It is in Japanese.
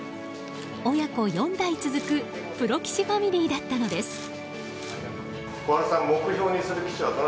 親子４代続くプロ棋士ファミリーだったのです。